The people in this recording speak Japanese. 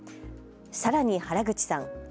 さらに原口さん。